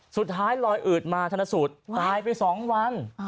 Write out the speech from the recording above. สุดท้ายลอยอืดมาถนนสุดตายไป๒วัน